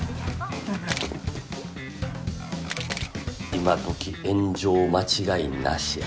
今どき炎上間違いなしや。